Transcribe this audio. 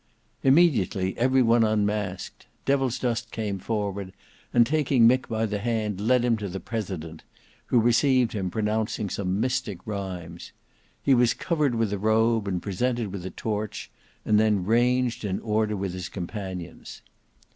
Immediately every one unmasked; Devilsdust came forward, and taking Mick by the hand led him to the President, who received him pronouncing some mystic rhymes. He was covered with a robe and presented with a torch, and then ranged in order with his companions.